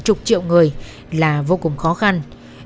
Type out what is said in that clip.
trục triệu người là vô cùng khó khăn